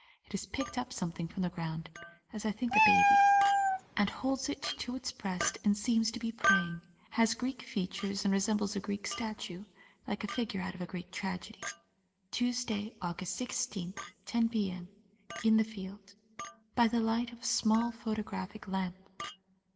It has picked up something from the ground (as I think a baby) and holds it to its breast and seems to be praying. Has Greek features and re sembles a Greek statue — like a figure out of a Greek tragedy. (Tuesday, August 16, 10 p.m. In the field.) By the light of a small photographic lamp.